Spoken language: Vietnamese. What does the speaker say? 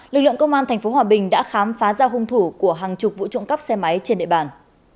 lực lượng công an tp hòa bình đã khám phá ra hung thủ của hàng chục vũ trụng cấp xe máy trên địa bàn